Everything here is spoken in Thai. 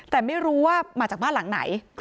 แต่ไม่รู้ว่ามาจากบ้านหลังไหน